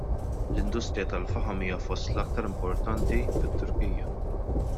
L-industrija tal-faħam hija fost l-aktar importanti fit-Turkija.